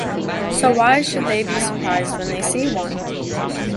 So why should they be surprised when they see one?